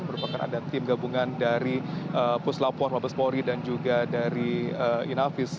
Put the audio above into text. merupakan ada tim gabungan dari puslapor mabespori dan juga dari inavis